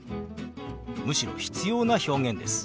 むしろ必要な表現です。